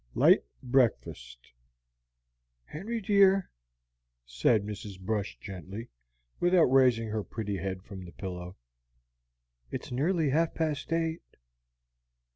LIGHT BREAKFAST "Henry dear," said Mrs. Brush gently, without raising her pretty head from the pillow, "it's nearly half past eight."